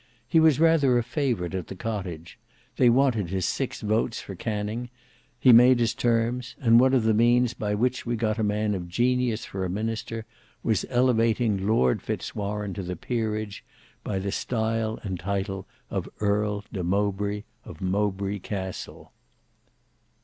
He was rather a favourite at the Cottage; they wanted his six votes for Canning; he made his terms; and one of the means by which we got a man of genius for a minister, was elevating Lord Fitz Warene in the peerage, by the style and title of Earl de Mowbray of Mowbray Castle.